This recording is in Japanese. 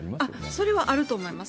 それはあると思います。